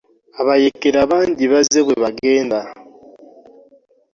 Abayeekera bangi bazze bwe bagenda.